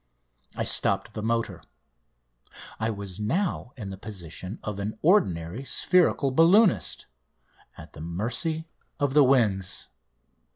I stopped the motor. I was now in the position of an ordinary spherical balloonist at the mercy of the winds.